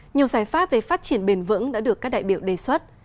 nhiều giải pháp về phát triển bền vững đã được các đại biểu đề xuất